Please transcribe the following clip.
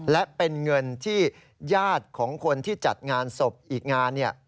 และเป็นเงินที่ญาติของคนที่จัดงานศพอีกงาน